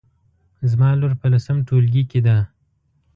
زما لور په لسم ټولګي کې ده